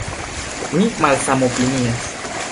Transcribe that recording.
Mi malsamopinias.